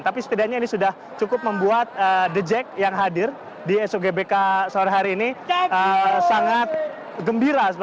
tapi setidaknya ini sudah cukup membuat the jack yang hadir di sogbk sore hari ini sangat gembira